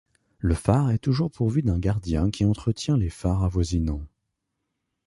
Le phare est toujours pourvu d'un gardien qui entretient les phares avoisinants.